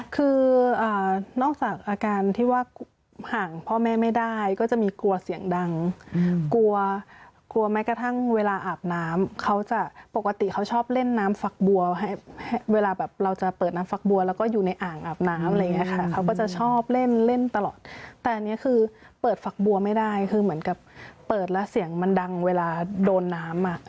คือนอกจากอาการที่ว่าห่างพ่อแม่ไม่ได้ก็จะมีกลัวเสียงดังกลัวกลัวแม้กระทั่งเวลาอาบน้ำเขาจะปกติเขาชอบเล่นน้ำฟักบัวให้เวลาแบบเราจะเปิดน้ำฟักบัวแล้วก็อยู่ในอ่างอาบน้ำอะไรอย่างนี้ค่ะเขาก็จะชอบเล่นเล่นตลอดแต่อันนี้คือเปิดฝักบัวไม่ได้คือเหมือนกับเปิดแล้วเสียงมันดังเวลาโดนน้ำอ่ะ